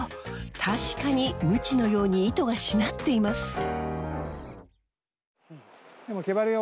確かにムチのように糸がしなっています。